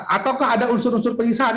ataukah ada unsur unsur pelisahan